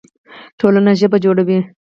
ټولنه ژبه جوړوي.